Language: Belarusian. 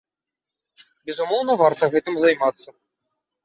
Безумоўна, варта гэтым займацца.